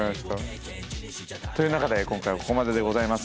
という中で今回はここまででございます。